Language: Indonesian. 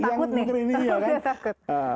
udah takut nih